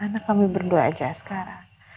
anak kami berdua aja askara